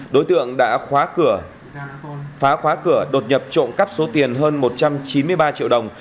đối tượng đã khóa cửa phá khóa cửa đột nhập trộm cắp số tiền hơn một trăm chín mươi ba triệu đồng